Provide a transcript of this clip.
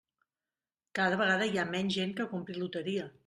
Cada vegada hi ha menys gent que compri loteria.